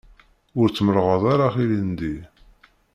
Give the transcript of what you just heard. Ur tmerrɣeḍ ara ilindi.